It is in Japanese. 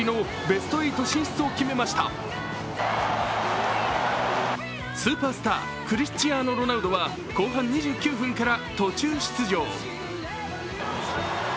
スーパースタークリスチアーノ・ロナウドは後半２９分から途中出場。